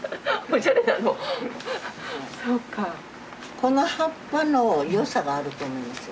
この葉っぱの良さがあると思いますよ。